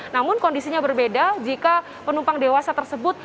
namun kondisinya berbeda jika penumpang dewasa tersebut